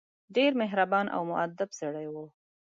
ډېر مهربان او موءدب سړی وو.